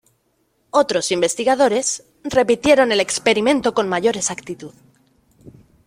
Otros investigadores repitieron el experimento con mayor exactitud.